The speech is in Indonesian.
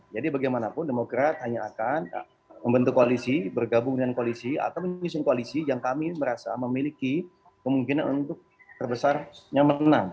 jadi bagaimanapun demokrat hanya akan membentuk koalisi bergabung dengan koalisi atau mengusung koalisi yang kami merasa memiliki kemungkinan untuk terbesarnya menang